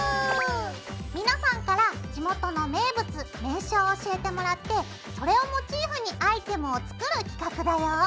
皆さんから地元の名物名所を教えてもらってそれをモチーフにアイテムを作る企画だよ！